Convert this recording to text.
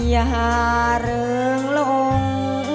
อย่าเริงลง